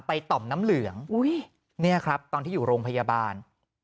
ต่อมน้ำเหลืองเนี่ยครับตอนที่อยู่โรงพยาบาล